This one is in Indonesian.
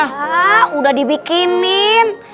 hah udah dibikinin